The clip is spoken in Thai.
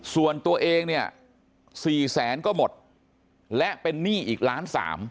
ส่วนตัวเองเนี่ย๔แสนก็หมดและเป็นหนี้อีกล้านสาม